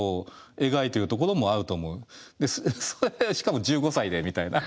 でそれしかも１５歳でみたいな。